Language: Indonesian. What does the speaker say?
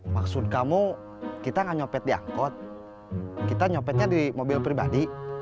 maksud kamu kita gak nyopet di angkot kita nyopetnya di mobil pribadi